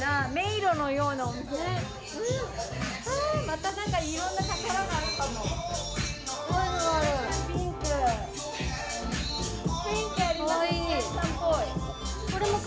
またいろんな宝があるかも。